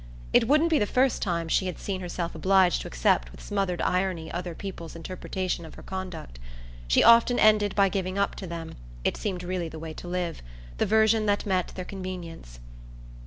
It wouldn't be the first time she had seen herself obliged to accept with smothered irony other people's interpretation of her conduct. She often ended by giving up to them it seemed really the way to live the version that met their convenience.